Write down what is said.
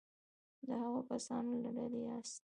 د هغو کسانو له ډلې یاست.